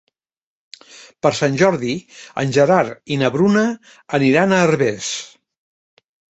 Per Sant Jordi en Gerard i na Bruna aniran a Herbers.